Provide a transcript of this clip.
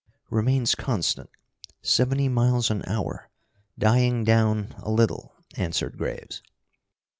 "Remains constant. Seventy miles an hour. Dying down a little," answered Graves.